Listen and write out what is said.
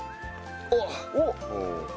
おっ。